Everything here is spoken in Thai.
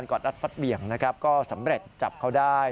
ตอนแรกก็ไม่แน่ใจนะคะ